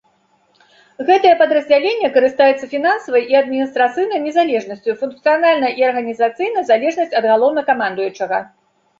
Гэтае падраздзяленне карыстаецца фінансавай і адміністрацыйнай незалежнасцю, функцыянальна і арганізацыйна залежнасць ад галоўнакамандуючага.